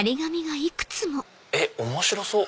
えっ面白そう！